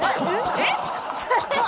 えっ！